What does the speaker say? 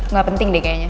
gak penting deh kayaknya